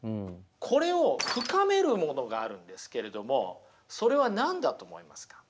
これを深めるものがあるんですけれどもそれは何だと思いますか？